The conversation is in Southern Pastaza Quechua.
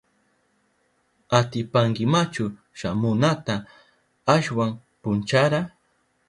¿Atipankimachu shamunata ashwan punchara?